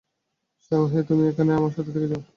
শাওহেই, তুমি এখানেই আমাদের সাথে থেকে যাও না কেন?